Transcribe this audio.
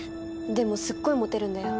でもすっごいモテるんだよ。